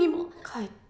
帰って。